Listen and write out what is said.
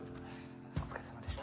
お疲れさまでした。